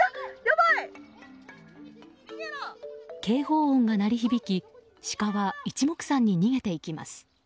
警報音が鳴り響きシカは一目散に逃げていきます。